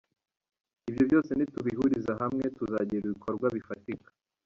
Ibyo byose nitubihuriza hamwe tuzagira ibikorwa bifatika.